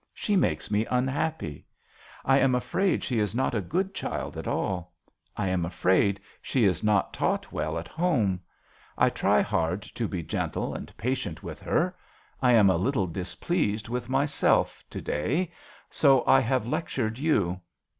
She makes me unhappy. I am afraid she is not a good child at all. I am afraid she is not taught well at home. I try hard to be gentle 36 JOHN SHERMAN. and patient with her. I am a little displeased with myself to day; so I have lectured you.